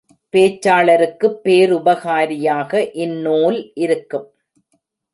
பேச்சாளருக்குப் பேருபகாரியாக இந்நூல் இருக்கும்.